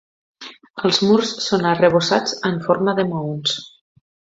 Els murs són arrebossats en forma de maons.